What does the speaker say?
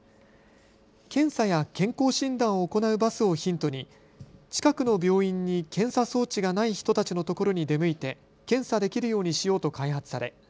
検査や健康診断を行うバスをヒントに近くの病院に検査装置がない人たちのところに出向いて検査できるようにしようと開発され